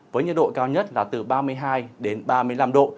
với nhiệt độ cao nhất là từ ba mươi hai đến ba mươi năm độ